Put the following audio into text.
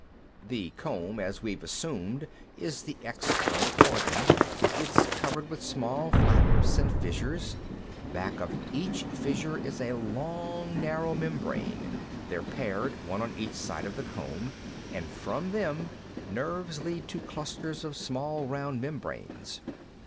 The comb, as we've assumed, is the external organ. It's covered with small flaps and fissures. Back of each fissure is a long, narrow membrane; they're paired, one on each side of the comb, and from them nerves lead to clusters of small round membranes.